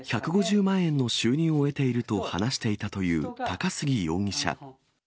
１５０万円の収入を得ていると話していたという高杉容疑者。